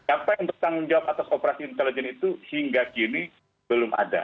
apa yang bertanggung jawab atas operasi intelijen itu hingga kini belum ada